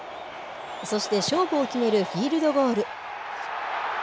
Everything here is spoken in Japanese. そして勝負を決めるフィールドゴール。